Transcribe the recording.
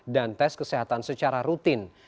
dan tes kesehatan secara rutin